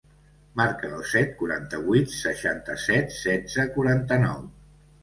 Marca el set, quaranta-vuit, seixanta-set, setze, quaranta-nou.